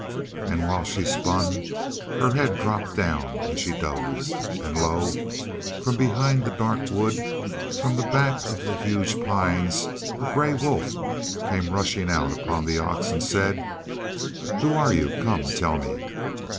And while she spun, her head dropped down and she dozed. And, lo! from behind the dark wood, from the back of the huge pines, a grey wolf came rushing out upon the ox and said: "Who are you? Come, tell me!"